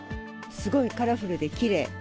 すごいカラフルできれい。